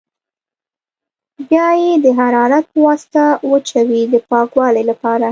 بیا یې د حرارت په واسطه وچوي د پاکوالي لپاره.